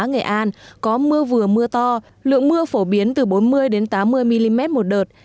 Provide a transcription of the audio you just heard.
nghệ an có mưa vừa mưa to lượng mưa phổ biến từ bốn mươi tám mươi mm một đợt